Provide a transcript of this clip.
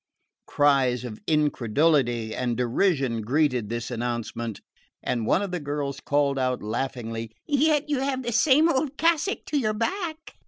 Cries of incredulity and derision greeted this announcement, and one of the girls called out laughingly, "Yet you have the same old cassock to your back!"